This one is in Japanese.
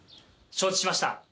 承知しました。